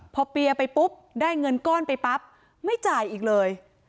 พอเปียร์ไปปุ๊บได้เงินก้อนไปปั๊บไม่จ่ายอีกเลย